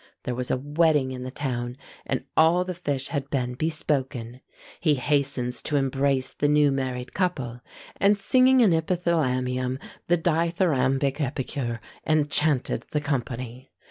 There was a wedding in the town, and all the fish had been bespoken. He hastens to embrace the new married couple, and singing an epithalamium, the dithyrambic epicure enchanted the company.